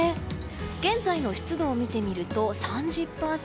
現在の湿度を見てみると３０％。